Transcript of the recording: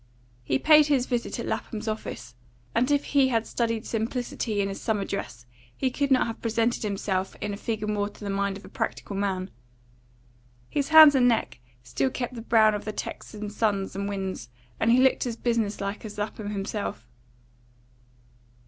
He paid his visit at Lapham's office, and if he had studied simplicity in his summer dress he could not have presented himself in a figure more to the mind of a practical man. His hands and neck still kept the brown of the Texan suns and winds, and he looked as business like as Lapham himself.